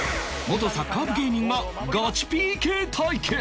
元サッカー部芸人がガチ ＰＫ 対決！